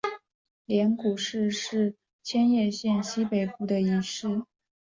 镰谷市是千叶县西北部的一市。